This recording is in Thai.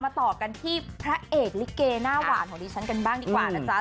ต่อกันที่พระเอกลิเกหน้าหวานของดิฉันกันบ้างดีกว่านะจ๊ะ